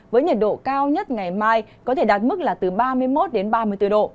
với nhiệt độ cao nhất ngày mai có thể đạt mức là từ ba mươi một đến ba mươi bốn độ